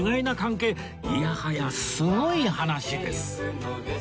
いやはやすごい話です